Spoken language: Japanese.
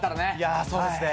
そうですね。